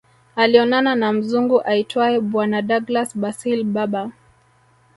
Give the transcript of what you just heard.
Alionana na mzungu aitwae bwana Douglas Basil Berber